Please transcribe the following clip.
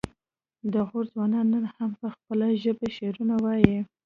د غور ځوانان نن هم په خپله ژبه شعرونه وايي